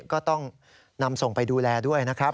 ก็ต้องนำส่งไปดูแลด้วยนะครับ